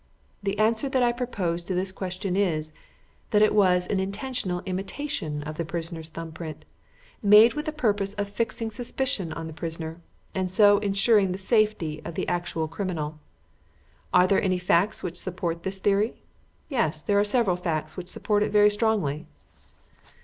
The answer that I propose to this question is, that it was an intentional imitation of the prisoner's thumb print, made with the purpose of fixing suspicion on the prisoner, and so ensuring the safety of the actual criminal. Are there any facts which support this theory? Yes, there are several facts which support it very strongly.